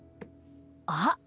あっ！